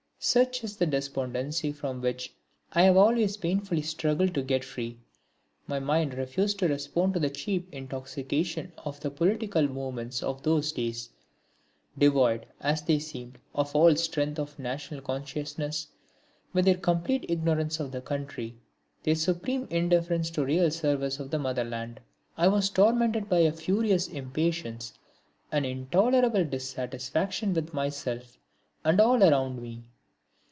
Such is the despondency from which I have always painfully struggled to get free. My mind refused to respond to the cheap intoxication of the political movements of those days, devoid, as they seemed, of all strength of national consciousness, with their complete ignorance of the country, their supreme indifference to real service of the motherland. I was tormented by a furious impatience, an intolerable dissatisfaction with myself and all around me.